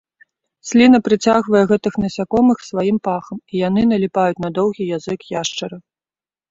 Сліна прыцягвае гэтых насякомых сваім пахам, і яны наліпаюць на доўгі язык яшчара.